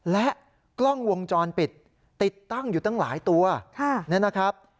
และกล้องวงจรปิดติดตั้งอยู่ตั้งหลายตัวนะครับ